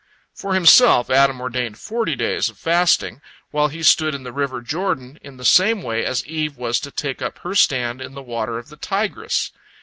For himself Adam ordained forty days of fasting, while he stood in the river Jordan in the same way as Eve was to take up her stand in the waters of the Tigris.